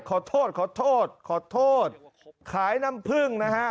ขอโทษขอโทษขอโทษขายน้ำพึ่งนะฮะ